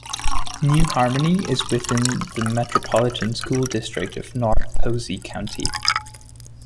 New Harmony is within the Metropolitan School District of North Posey County.